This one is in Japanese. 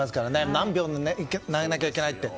何秒に投げなきゃいけないって。